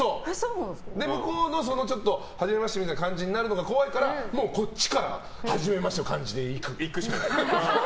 向こうのはじめましてみたいな感じになるのが怖いからもうこっちからはじめましての感じでいく。